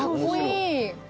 かっこいい！